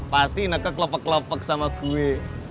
pasti ineke kelepek kelepek sama gua